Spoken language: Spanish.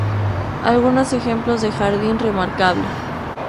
Algunos ejemplos de ""Jardin Remarquable"".